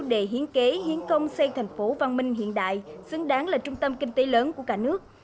để hiến kế hiến công xây thành phố văn minh hiện đại xứng đáng là trung tâm kinh tế lớn của cả nước